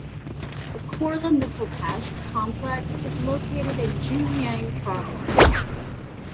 The Korla Missile Test Complex is located in Xinjiang province.